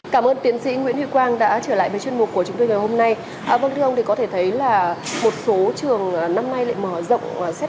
bà nguyễn thu thủy vụ trưởng bộ giáo dục đào tạo cho biết